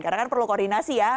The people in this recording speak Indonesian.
karena kan perlu koordinasi ya